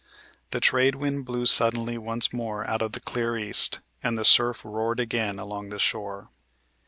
The trade wind blew suddenly once more out of the clear east, and the surf roared again along the shore.